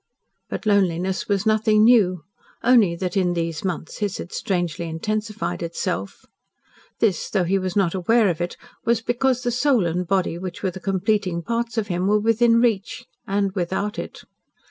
But loneliness was nothing new, only that in these months his had strangely intensified itself. This, though he was not aware of it, was because the soul and body which were the completing parts of him were within reach and without it.